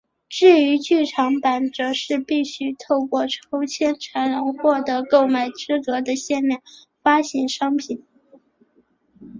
至于剧场版则是必须透过抽签才能获得购买资格的限量发行商品。